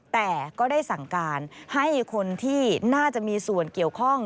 แต่ก็ได้สั่งการให้คนที่น่าจะมีส่วนเกี่ยวข้อง